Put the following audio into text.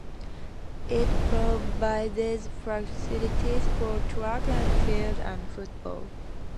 It provides facilities for track and field and football.